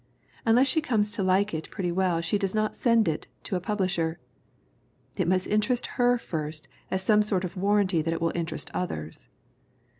Unless she comes to like it pretty well she does not send it to a pub lisher. It must interest her first as some sort of warranty that it will interest others.